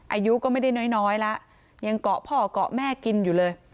อายุก็ไม่ได้น้อยแล้วยังเกาะพ่อเกาะแม่กินอยู่เลย